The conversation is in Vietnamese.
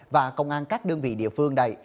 và công an các đơn vị địa phương này